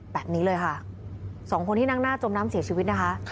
แบบนี้เลยค่ะสองคนที่นั่งหน้าจมน้ำเสียชีวิตนะคะ